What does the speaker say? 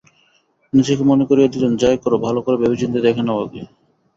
নিজেকে মনে করিয়ে দিলেন, যাই করো, ভালো করে ভেবেচিন্তে দেখে নাও আগে।